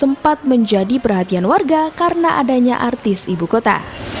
sempat menjadi perhatian warga karena adanya artis ibu kota